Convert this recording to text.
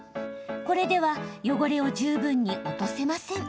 これでは汚れを十分に落とせません。